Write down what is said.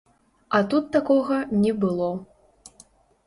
А тут такога не было.